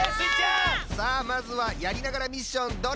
さあまずはやりながらミッションどれをえらぶ？